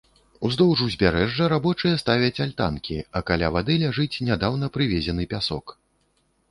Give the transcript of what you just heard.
Уздоўж узбярэжжа рабочыя ставяць альтанкі, а каля вады ляжыць нядаўна прывезены пясок.